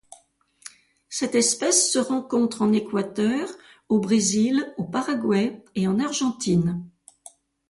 Cette espèce se rencontre en Équateur, au Brésil, au Paraguay et en Argentine.